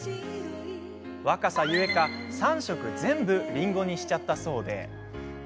若さ故か、３食全部りんごにしちゃったそうで。